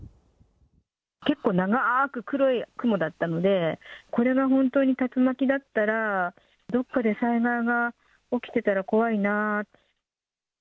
結構長ーく、黒い雲だったので、これが本当に竜巻だったら、どっかで災害が起きてたら怖いな。